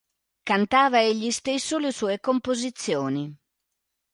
Cantava egli stesso le sue composizioni.